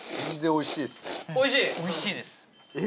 おいしいです